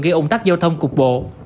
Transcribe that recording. gây ủng tắc giao thông cục bộ